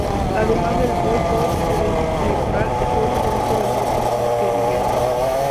Además del boicot electoral estuvo presente los grupos guerrilleros.